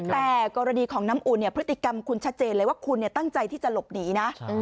แต่กรณีของน้ำอุ่นเนี่ยพฤติกรรมคุณชัดเจนเลยว่าคุณตั้งใจที่จะหลบหนีนะ